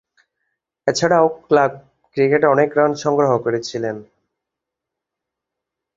এছাড়াও ক্লাব ক্রিকেটে অনেক রান সংগ্রহ করেছিলেন।